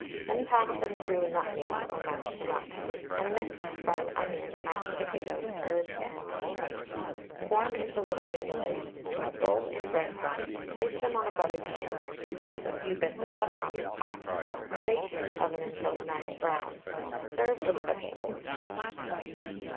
Then pass them through a nut mill or mash them up, and mix with the fried onion, mashed potatoes, herbs, and seasoning; form into little rissoles, roll in breadcrumbs, place them on a buttered tin, place a few bits of butter on the top, and bake in the oven until a nice brown. Serve with vegetables.